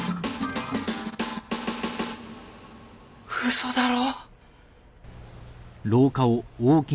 嘘だろ。